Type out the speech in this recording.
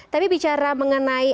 tapi bicara mengenai